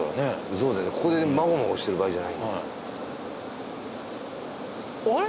そうここでまごまごしてる場合じゃないんだよあれ？